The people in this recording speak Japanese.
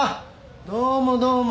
どうもどうも。